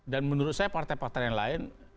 dan menurut saya partai partai yang lain